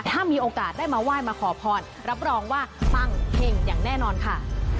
ถ้ามีโอกาสได้มาไหว้มาขอพรรับรองว่าปังเฮ่งอย่างแน่นอนค่ะ